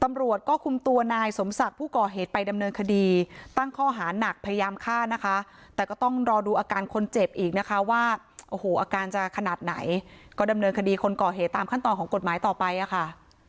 ตำรวจก็คุมตัวนายสมศักดิ์ผู้ก่อเหตุไปดำเนินคดีตั้งข้อหานักพยายามฆ่านะคะแต่ก็ต้องรอดูอาการคนเจ็บอีกนะคะว่าโอ้โหอาการจะขนาดไหนก็ดำเนินคดีคนก่อเหตุตามขั้นตอนของกฎหมายต่อไปอะค่ะ